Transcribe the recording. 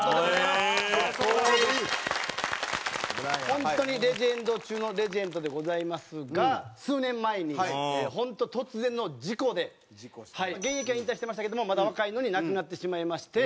本当にレジェンド中のレジェンドでございますが数年前に本当突然の事故ではい現役は引退してましたけどもまだ若いのに亡くなってしまいまして。